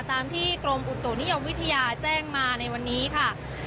ตามที่กรมอุตุนิยมวิทยาแจ้งมาในวันนี้ค่ะ